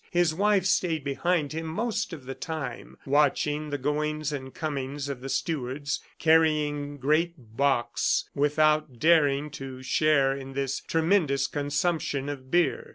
His wife stayed beside him most of the time, watching the goings and comings of the stewards carrying great bocks, without daring to share in this tremendous consumption of beer.